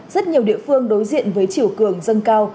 rất nhiều địa phương đối diện với chiều cường dâng cao